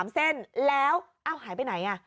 ๓เส้นแล้วหายไปไหน